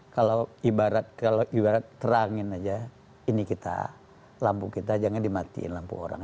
kalau ibarat terangin aja ini kita lampu kita jangan dimatiin lampu orang